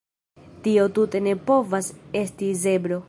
Tio tute ne povas esti zebro